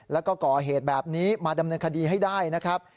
แล้วก็ก่อเหตุแบบนี้มาดำเนินคดีให้ได้นะครับ